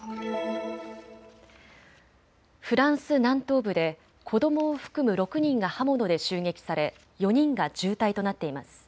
フランス南東部で子どもを含む６人が刃物で襲撃され４人が重体となっています。